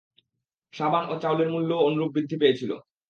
সাবান ও চাউলের মূল্যও অনুরূপ বৃদ্ধি পেয়েছিল।